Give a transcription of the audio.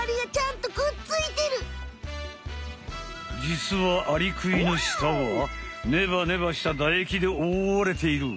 じつはアリクイの舌はネバネバしただ液でおおわれている！